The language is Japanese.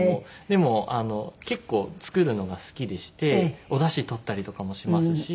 でも結構作るのが好きでしておだしとったりとかもしますし。